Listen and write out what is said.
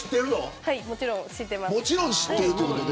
もちろん知っています。